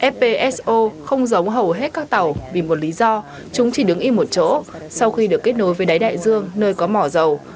fpso không giống hầu hết các tàu vì một lý do chúng chỉ đứng yên một chỗ sau khi được kết nối với đáy đại dương nơi có mỏ dầu